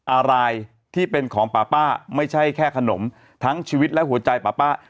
อะไรที่เป็นของป่าป้าไม่ใช่แค่ขนมทั้งชีวิตและหัวใจป่าป้า